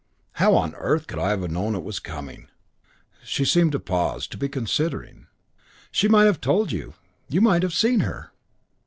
"How on earth could I have known it was coming?" She seemed to pause, to be considering. "She might have told you. You might have seen her."